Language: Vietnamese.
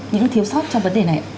những thiếu sót trong vấn đề này ạ